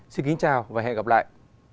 xin kính chào và hẹn gặp lại